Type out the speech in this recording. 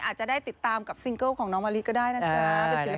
อาจจะได้ติดตามกับซิงเกิลของน้องมะลิก็ได้นะจ๊ะ